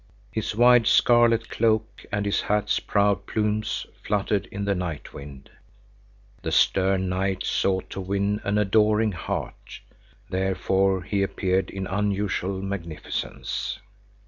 His wide scarlet cloak and his hat's proud plumes fluttered in the night wind. The stern knight sought to win an adoring heart, therefore he appeared in unusual magnificence.